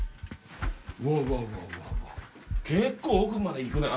結構奥まで行くね。